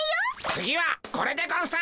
次はこれでゴンス！